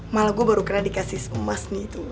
malah gue baru kena dikasih emas nih itu